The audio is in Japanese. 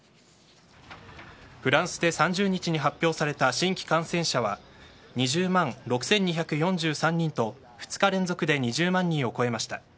フランスで３０日に発表された新規感染者は２０万６２４３人と２日連続で２０万人を超えました。